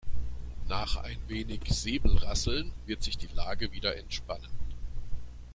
Nach ein wenig Säbelrasseln wird sich die Lage wieder entspannen.